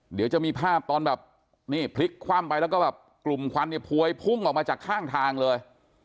เดี๋ยวจะมีภาพตอนแบบนี่พลิกคว่ำไปแล้วก็แบบกลุ่มควันเนี่ยพวยพุ่งออกมาจากข้างทางเลย